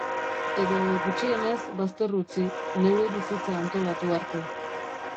Edo, gutxienez, bazter utzi, neure bizitza antolatu arte.